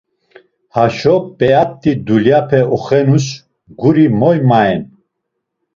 Haşo p̌eat̆i dulyape oxenus guri moy mayen?